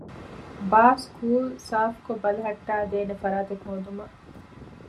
ބާސްކޫލް ސާފްކޮށް ބަލަހައްޓައިދޭނެ ފަރާތެއް ހޯދުމަށް